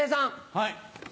はい。